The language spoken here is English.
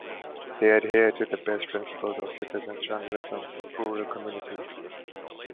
They adhere to the best principles of citizen journalism for rural communities.